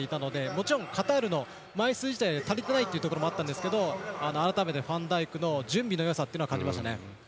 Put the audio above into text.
もちろん、カタールの枚数自体が足りていないというところもあったんですけど改めてファンダイクの準備のよさというのを感じましたね。